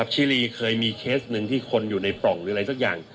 ชิลีเคยมีเคสหนึ่งที่คนอยู่ในปล่องหรืออะไรสักอย่าง